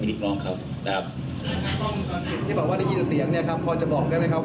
นี่บอกว่าถ้ายืนเสียงพอจะบอกได้ไหมครับ